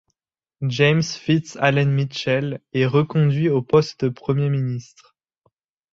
James Fitz-Allen Mitchell est reconduit au poste de Premier ministre.